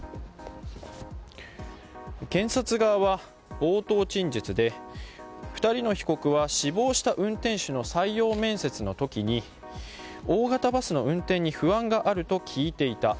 検察側は冒頭陳述で２人の被告は死亡した運転手の採用面接の時に大型バスの運転に不安があると聞いていた。